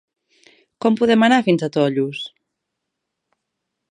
Com podem anar fins a Tollos?